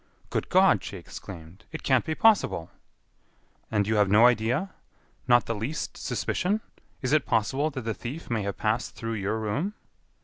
"Good God!" she exclaimed, "it can't be possible!" "And you have no idea? Not the least suspicion? Is it possible that the thief may have passed through your room?"